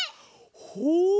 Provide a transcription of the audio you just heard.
ほう！